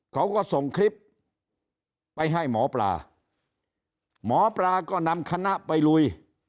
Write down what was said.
เขาก็ส่งคลิปไปให้หมอปลาหมอปลาก็นำคณะไปลุย